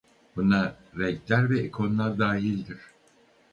Buna renkler ve ikonlar dahildir.